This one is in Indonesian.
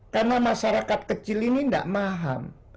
karena masyarakat kecil ini tidak paham